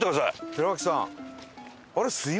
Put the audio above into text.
寺脇さん。